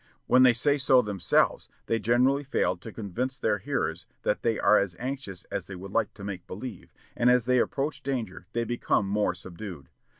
When they say so themselves, they generally fail to convince their hearers that they are as anxious as they would like to make believe, and as they approach danger they become more subdued.